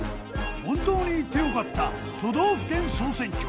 本当に行って良かった都道府県総選挙。